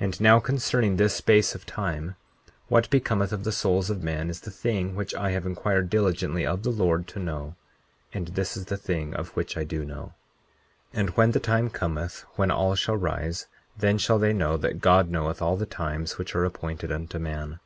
And now, concerning this space of time, what becometh of the souls of men is the thing which I have inquired diligently of the Lord to know; and this is the thing of which I do know. 40:10 And when the time cometh when all shall rise, then shall they know that God knoweth all the times which are appointed unto man.